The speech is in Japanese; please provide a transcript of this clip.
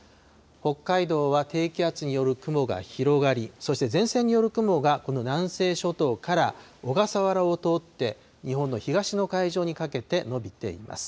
北海道は低気圧による雲が広がり、そして前線による雲が、この南西諸島から小笠原を通って、日本の東の海上にかけて延びています。